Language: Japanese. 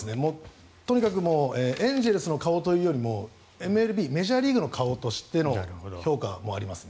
とにかくエンゼルスの顔というよりもメジャーリーグの顔としての評価もありますね。